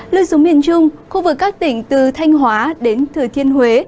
lưu xuống miền trung khu vực các tỉnh từ thanh hóa đến thừa thiên huế